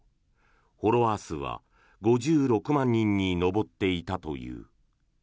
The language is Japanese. フォロワー数は５６万人に上っていたという。